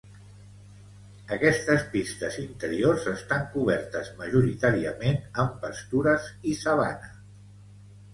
Aquestes pistes interiors estan cobertes majoritàriament amb pastures i sabana.